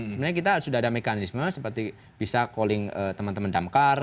sebenarnya kita sudah ada mekanisme seperti bisa calling teman teman damkar